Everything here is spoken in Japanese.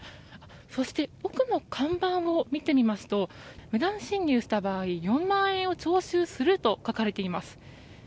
そして奥の看板を見てみますと無断進入した場合４万円を徴収すると書かれています。